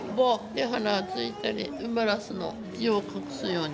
で花ついたり埋まらすの字を隠すように。